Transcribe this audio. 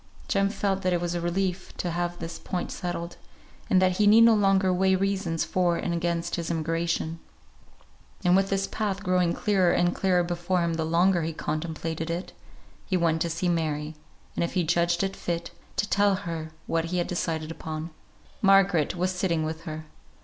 Jem felt that it was a relief to have this point settled; and that he need no longer weigh reasons for and against his emigration. And with his path growing clearer and clearer before him the longer he contemplated it, he went to see Mary, and if he judged it fit, to tell her what he had decided upon. Margaret was sitting with her.